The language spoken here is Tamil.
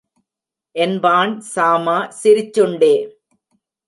என்பான் சாமா சிரிச்சுண்டே.